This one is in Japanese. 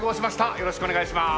よろしくお願いします。